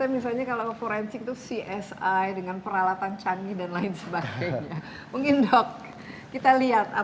misalnya kalau forensik itu csi dengan peralatan canggih dan lain sebagainya mungkin dok kita lihat